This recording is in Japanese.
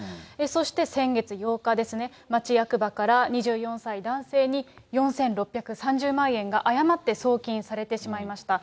そして先月８日ですね、町役場から２４歳男性に、４６３０万円が誤って送金されてしまいました。